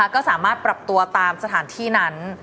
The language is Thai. ก็สามารถปรับตัวตามสถานที่นั้น